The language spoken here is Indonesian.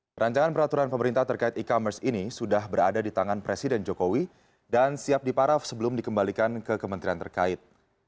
perancangan peraturan pemerintah terkait e commerce ini sudah berada di tangan presiden jokowi dan siap diparaf sebelum dikembalikan ke kementerian terkait